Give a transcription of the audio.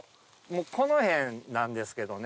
この辺なんですけどね